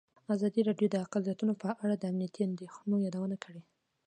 ازادي راډیو د اقلیتونه په اړه د امنیتي اندېښنو یادونه کړې.